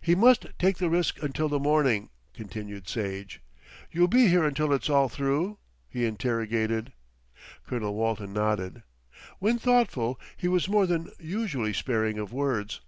"He must take the risk until the morning," continued Sage. "You'll be here until it's all through?" he interrogated. Colonel Walton nodded. When thoughtful he was more than usually sparing of words.